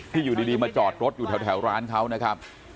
อยู่ดีมาจอดรถอยู่แถวร้านเขานะครับ